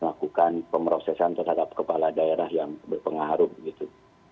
melakukan pemerosesan terhadap kepala daerah yang berpengaruh gitu